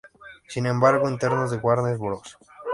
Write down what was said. Sin embargo, internos de Warner Bros.